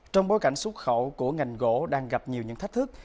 trong bối cảnh xuất khẩu của ngành gỗ đang gặp nhiều những thách thức